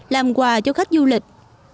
làm quà cho khách du lịch